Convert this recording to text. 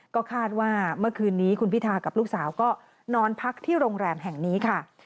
ก็คาดว่าเมื่อคืนนี้คุณพิธากับลูกสาวก็นอนพักที่โรงแรมแห่งนี้ค่ะ